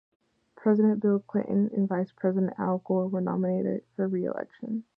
President Bill Clinton and Vice President Al Gore were nominated for reelection.